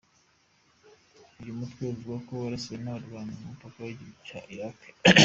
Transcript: Uyu mutwe uvuga ko warasiye abo barwanyi ku mupaka w’igihugu cya Iraki.